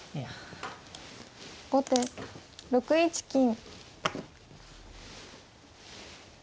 後手６一金。